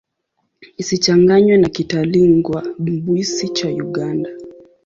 Isichanganywe na Kitalinga-Bwisi cha Uganda.